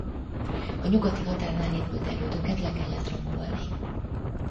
A nyugati határnál épült erődöket le kellett rombolni.